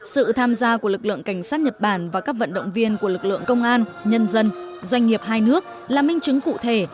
sự tham gia của lực lượng cảnh sát nhật bản và các vận động viên của lực lượng công an nhân dân doanh nghiệp hai nước là minh chứng cụ thể